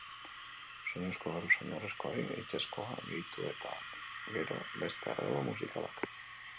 Soinuzko geruza oinarrizkoari hitzezkoa gehitu eta gero beste arreglo musikalak.